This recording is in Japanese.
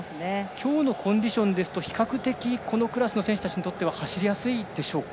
今日のコンディションは比較的このクラスの選手にとっては走りやすいですか。